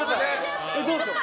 どうしよう。